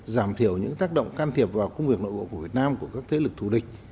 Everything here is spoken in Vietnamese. giảm thiểu những tác động can thiệp vào công việc nội bộ của việt nam của các thế lực thù địch